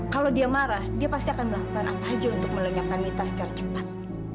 kalau dia marah dia pasti akan melakukan apa aja untuk melenyapkan mitas secara cepat